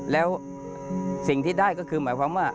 แล้วสิ่งที่ได้ก็คือหมายความว่า